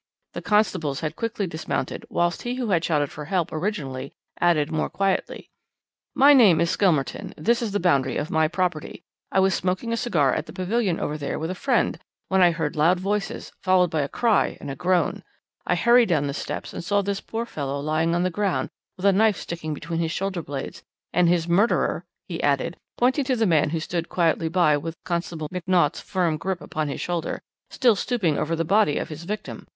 The constables had quickly dismounted, whilst he who had shouted for help originally added more quietly: "'My name is Skelmerton. This is the boundary of my property. I was smoking a cigar at the pavilion over there with a friend when I heard loud voices, followed by a cry and a groan. I hurried down the steps, and saw this poor fellow lying on the ground, with a knife sticking between his shoulder blades, and his murderer,' he added, pointing to the man who stood quietly by with Constable McNaught's firm grip upon his shoulder, 'still stooping over the body of his victim.